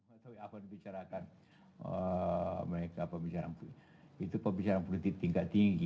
apa yang dibicarakan mereka itu pembicaraan politik tingkat tinggi